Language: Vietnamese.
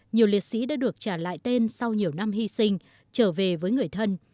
nhiều liệt sĩ đã được trả lại tên sau nhiều năm hy sinh trở về với người thân